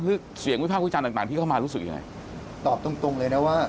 เสียงวิพากษ์วิจารณต่างต่างที่เข้ามารู้สึกยังไงตอบตรงตรงเลยนะว่า